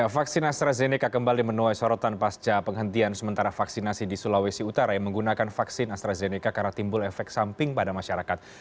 vaksin astrazeneca kembali menuai sorotan pasca penghentian sementara vaksinasi di sulawesi utara yang menggunakan vaksin astrazeneca karena timbul efek samping pada masyarakat